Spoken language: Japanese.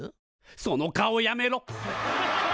その顔やめろ！